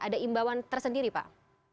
ada imbauan tersendiri pak